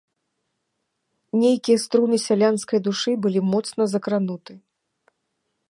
Нейкія струны сялянскае душы былі моцна закрануты.